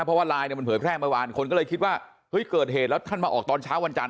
เพราะว่าไลน์เนี่ยมันเผยแพร่เมื่อวานคนก็เลยคิดว่าเฮ้ยเกิดเหตุแล้วท่านมาออกตอนเช้าวันจันท